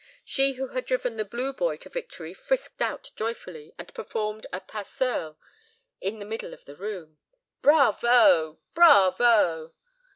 She who had driven the blue boy to victory frisked out joyfully, and performed a pas seul in the middle of the room. "Bravo! bravo!"